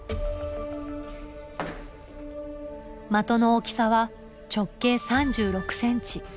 的の大きさは直径３６ｃｍ。